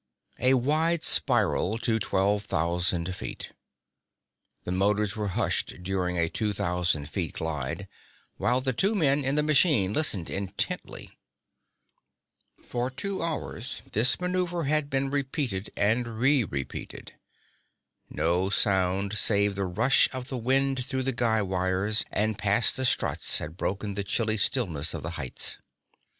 A wide spiral to twelve thousand feet. The motors were hushed during a two thousand feet glide, while the two men in the machine listened intently. For two hours this maneuver had been repeated and re repeated. No sound save the rush of the wind through the guy wires and past the struts had broken the chilly stillness of the heights.